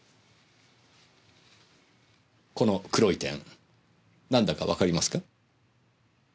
この黒い点なんだかわかりますか？